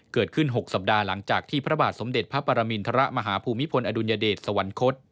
เกิดขึ้น๖สัปดาห์หลังจากที่พระบาทสมเด็จพระปรมิณฑระมหาภูมิพลอดุญเดชสวรรคต